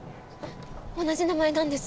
同じ名前なんです。